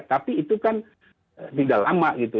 tapi itu kan tidak lama gitu